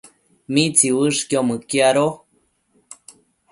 ¿mitsiuëshquio mëquiado?